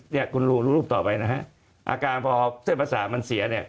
เนี่ยคุณดูรูปต่อไปนะฮะอาการพอเส้นประสาทมันเสียเนี่ย